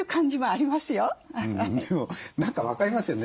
でも何か分かりますよね。